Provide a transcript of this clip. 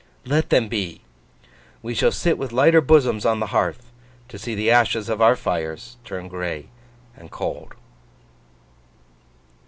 Let them be! We shall sit with lighter bosoms on the hearth, to see the ashes of our fires turn gray and cold.